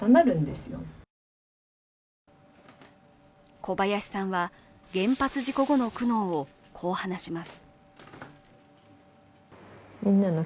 小林さんは原発事故後の苦悩をこう話します。